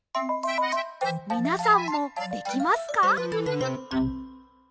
みなさんもできますか？